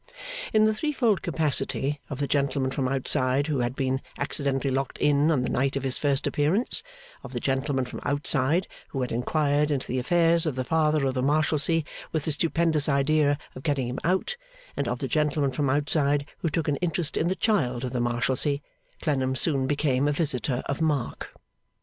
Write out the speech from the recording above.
In the threefold capacity, of the gentleman from outside who had been accidentally locked in on the night of his first appearance, of the gentleman from outside who had inquired into the affairs of the Father of the Marshalsea with the stupendous idea of getting him out, and of the gentleman from outside who took an interest in the child of the Marshalsea, Clennam soon became a visitor of mark.